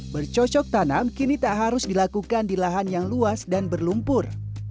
bercocok tanam kini tak harus dilakukan di lahan yang luas dan berlumpur